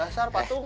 eh dasar patung